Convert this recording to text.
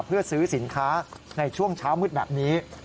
เพื่อซื้อสินค้าในช่วงเช้ามืดแบบนี้